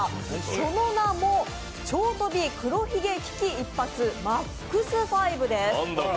その名も「超飛び黒ひげ危機一発ＭＡＸ５」です。